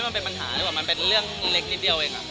มันเป็นปัญหาหรือเปล่ามันเป็นเรื่องเล็กนิดเดียวเอง